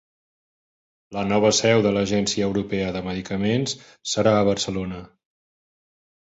La nova seu de l'Agència Europea de Medicaments serà a Barcelona